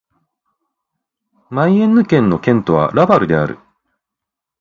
マイエンヌ県の県都はラヴァルである